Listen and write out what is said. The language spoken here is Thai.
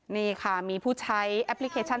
นี่ค่ะมีผู้ใช้แอปพลิเคชัน